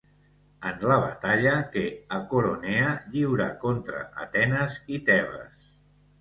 en la batalla que a Coronea lliurà contra Atenes i Tebes